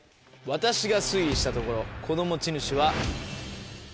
私が推理したところこの持ち主は。